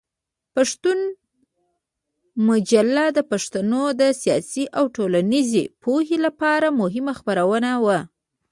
پښتون مجله د پښتنو د سیاسي او ټولنیزې پوهې لپاره مهمه خپرونه وه.